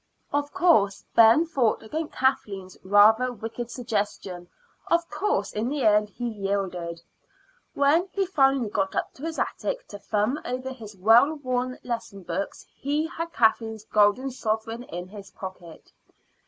Of course, Ben fought against Kathleen's rather wicked suggestion; of course in the end he yielded. When he finally got up to his attic to thumb over his well worn lesson books he had Kathleen's golden sovereign in his pocket.